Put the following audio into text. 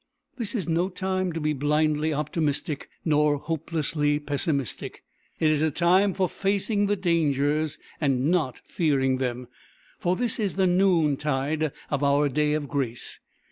This is no time to be blindly optimistic nor hopelessly pessimistic; it is a time for facing the dangers and not fearing them; for this is the noontide of our day of grace.